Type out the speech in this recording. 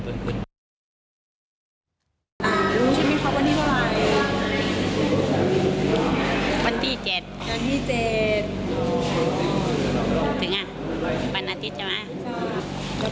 เป็นไงวันอาทิตย์จะมา